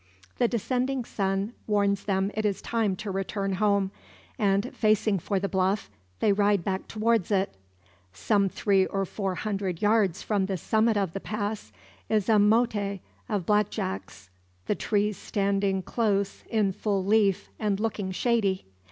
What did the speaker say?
The descending sun warns them it is time to return home; and, facing for the bluff, they ride back towards it. Some three or four hundred yards from the summit of the pass is a motte of black jacks, the trees standing close, in full leaf, and looking shady.